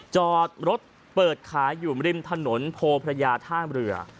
จอดรถเปิดขายอยู่ริมถนนโพพระยาท่ามเรือ